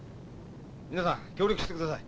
皆さん協力してください。